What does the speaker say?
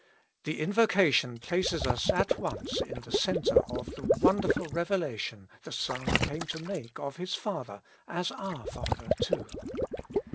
The invocation places us at once in the centre of the wonderful reve lation the Son came to make of His Father as our Father, too.